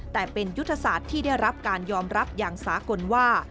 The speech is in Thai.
แต่เป็นยุทธศาสตร์ที่ได้รับการยอมรับอย่างสากลว่า